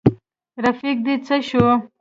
رفیق دي څه شو.